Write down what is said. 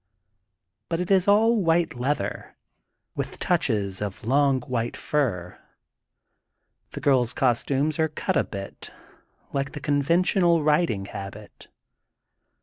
But it is all white leather, with touches of long white fur. The girPs cos tumes are cut a bit like the conventional rid ing habit.